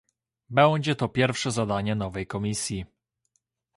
Będzie to pierwsze zadanie nowej Komisji